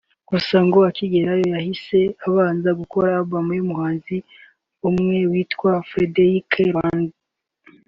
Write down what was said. Gusa ngo akigerayo yahise abanza gukora Album y’umufaransa umwe witwa Frederic Lerner